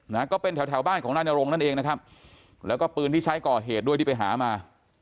นะก็เป็นแถวแถวบ้านของนายนรงนั่นเองนะครับแล้วก็ปืนที่ใช้ก่อเหตุด้วยที่ไปหามา